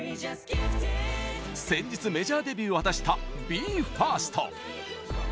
先日メジャーデビューを果たしたＢＥ：ＦＩＲＳＴ。